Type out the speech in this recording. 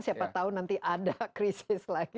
siapa tahu nanti ada krisis lagi